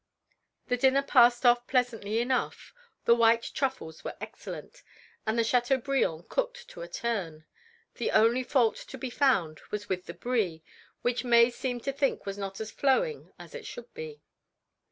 The dinner passed off pleasantly enough. The white truffles were excellent, and the chateaubriand cooked to a turn. The only fault to be found was with the Brie, which May seemed to think was not as flowing as it should be.